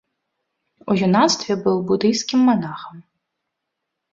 У юнацтве быў будыйскім манахам.